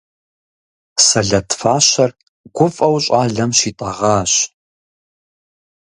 Сэлэт фащэр гуфӀэу щӀалэм щитӀэгъащ.